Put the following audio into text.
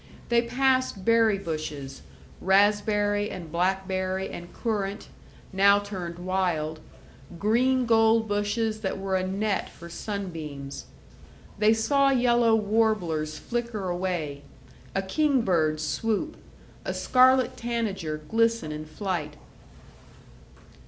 They passed berry bushes raspberry and blackberry and currant, now turned wild; green gold bushes that were a net for sunbeams. They saw yellow warblers flicker away, a king bird swoop, a scarlet tanager glisten in flight.